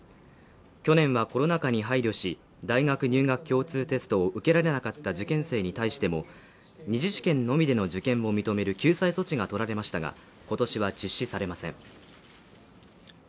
去年はコロナ禍に配慮し、大学入学共通テストを受けられなかった受験生に対しても、２次試験のみでの受験を認める救済措置が取られましたが、今年は実施されません。